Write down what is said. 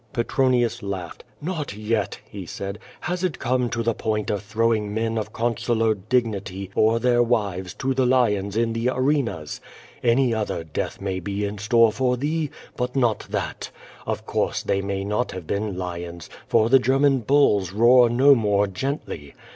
Petronius laughed. "Not yet," he said, "has it come to tho point of throwing men of consular dignity or their wives to the lions in the arenas. Any other death may be in store for thee, but not that. Of course they may not have been lions, for the German bulls roar no more gently.